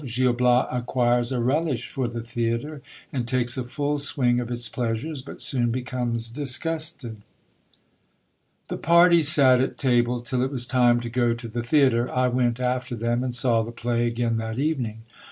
— Gil Bias acquires a relish for the theatre, and takes a full string of its pleasures, but soon becomes disgusted. The party sat at table till it was time to go to the theatre. I went after them, and saw the play again that evening.